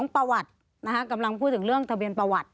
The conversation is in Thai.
ประวัติกำลังพูดถึงเรื่องทะเบียนประวัติ